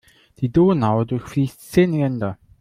Die Donau durchfließt zehn Länder.